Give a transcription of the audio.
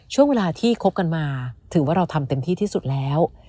ช่วงเวลาที่คบกันมาถือว่าเราทำเต็มที่ที่สุดแล้ว